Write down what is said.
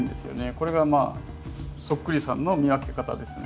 これがそっくりさんの見分け方ですね。